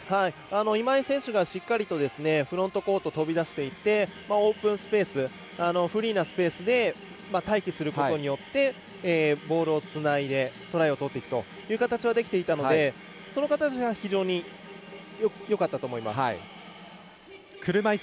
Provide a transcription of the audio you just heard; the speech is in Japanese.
今井選手がしっかりとフロントコート飛び出していってオープンスペースフリーなスペースで待機することによってボールをつないでトライを取っていくという形はできていたので、その形が非常によかったと思います。